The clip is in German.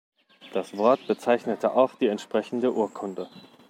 Das Wort bezeichnete auch die entsprechende Urkunde.